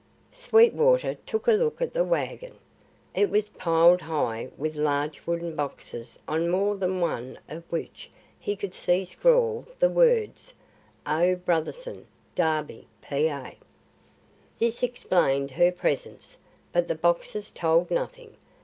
Sweetwater took a look at the wagon. It was piled high with large wooden boxes on more than one of which he could see scrawled the words: O. Brotherson, Derby, Pa. This explained her presence, but the boxes told nothing.